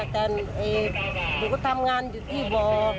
แต่เขาทำงานอยู่ที่บ่อ